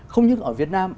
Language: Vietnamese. không những ở việt nam